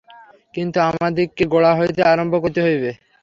কিন্তু আমাদিগকে গোড়া হইতে আরম্ভ করিতে হইবে।